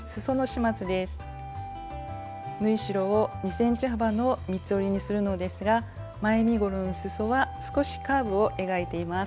縫い代を２ｃｍ幅の三つ折りにするのですが前身ごろのすそは少しカーブを描いています。